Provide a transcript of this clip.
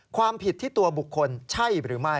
ความผิดที่ตัวบุคคลใช่หรือไม่